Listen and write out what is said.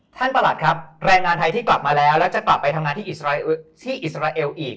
ประหลัดครับแรงงานไทยที่กลับมาแล้วแล้วจะกลับไปทำงานที่อิสราเอลอีก